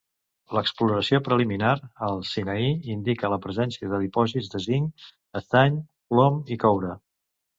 L'exploració preliminar al Sinaí indica la presència de dipòsits de zinc, estany, plom i coure.